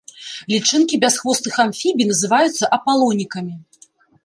Лічынкі бясхвостых амфібій называюцца апалонікамі.